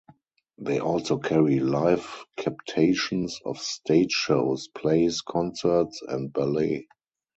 They also carry live captations of stage shows, plays, concerts and ballet.